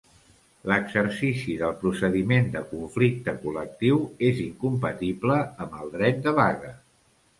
L'exercici del procediment de conflicte col·lectiu és incompatible amb el dret de vaga.